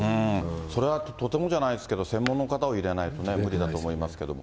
それはとてもじゃないですけど、専門の方を入れないとね、無理だと思いますけど。